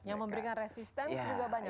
yang memberikan resistance juga banyak